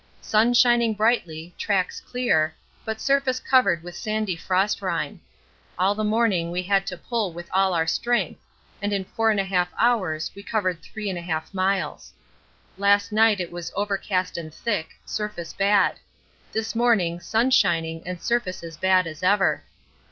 Sun shining brightly, tracks clear, but surface covered with sandy frostrime. All the morning we had to pull with all our strength, and in 4 1/2 hours we covered 3 1/2 miles. Last night it was overcast and thick, surface bad; this morning sun shining and surface as bad as ever.